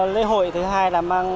lễ hội thứ hai là mang